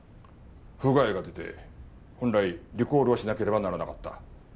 不具合が出て本来リコールをしなければならなかった。